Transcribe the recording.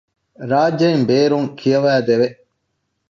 ރާއްޖެއިން ބޭރުން ކިޔަވައިދެވެ